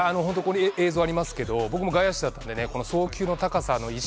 映像ありますけど僕も外野手だったので送球の高さの意識